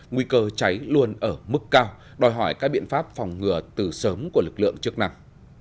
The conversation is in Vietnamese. nguy cơ cháy luôn ở mức cao đòi hỏi các biện pháp phòng ngừa từ sớm của lực lượng chức năng